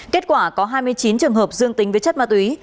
kết quả có hai mươi chín trường hợp dương tính với chất ma túy